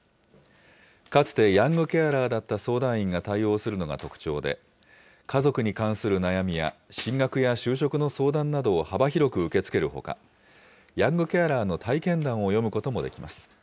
かつてヤングケアラーだった相談員が対応するのが特徴で、家族に関する悩みや、進学や就職の相談などを幅広く受け付けるほか、ヤングケアラーの体験談を読むこともできます。